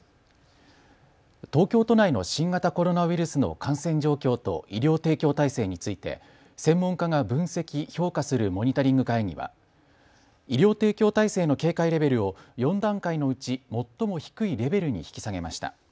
東京都内の新型コロナウイルスの感染状況と医療提供体制について専門家が分析・評価するモニタリング会議は医療提供体制の警戒レベルを４段階のうち最も低いレベルに引き下げました。